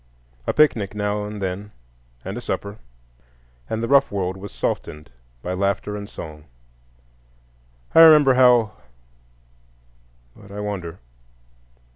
A picnic now and then, and a supper, and the rough world was softened by laughter and song. I remember how— But I wander.